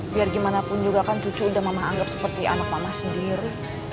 biar gimana pun juga kan cucu udah mama anggap seperti anak mama sendiri